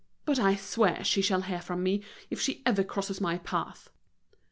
But I swear she shall hear from me, if ever she crosses my path."